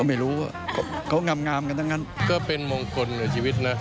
ไม่รู้ว่าเขางามกันทั้งนั้นก็เป็นมงคลในชีวิตเลย